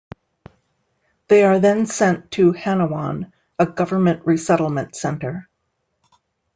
They are then sent to Hanawon, a government resettlement center.